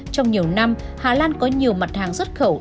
trong nhiều năm hà lan có nhiều mặt hàng xuất khẩu